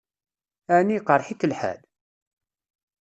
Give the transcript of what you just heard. Ɛni iqṛeḥ-ik lḥal?